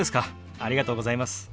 ありがとうございます。